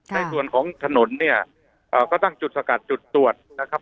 ในส่วนของถนนเนี่ยก็ตั้งจุดสกัดจุดตรวจนะครับ